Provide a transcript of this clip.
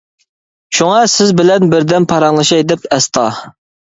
شۇڭا سىز بىلەن بىردەم پاراڭلىشاي دەپ. -ئەستا.